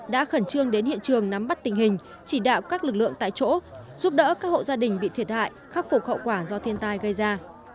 đã khẩn trương đến hiện trường nắm bắt tình hình chỉ đạo các lực lượng tại chỗ giúp đỡ các hộ gia đình bị thiệt hại khắc phục hậu quả do thiên tai gây ra